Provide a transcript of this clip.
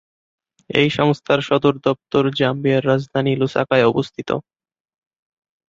এই সংস্থার সদর দপ্তর জাম্বিয়ার রাজধানী লুসাকায় অবস্থিত।